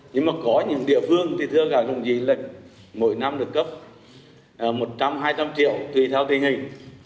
nhưng mà có những địa phương thì thưa các đồng chí lệch mỗi năm được cấp một trăm linh hai trăm linh triệu tùy theo tình hình